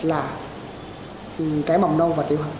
là trẻ mầm non